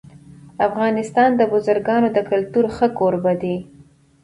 افغانستان د بزګانو د کلتور ښه کوربه دی.